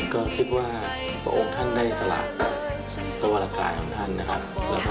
ก็คิดว่าโอ้งท่านได้สลายกว่ารากายของท่านนะครับ